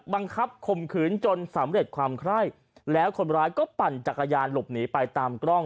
ข่มขืนจนสำเร็จความไคร้แล้วคนร้ายก็ปั่นจักรยานหลบหนีไปตามกล้อง